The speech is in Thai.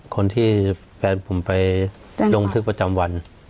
คนที่แฟนผมไปดงที่ประจำวันคำท์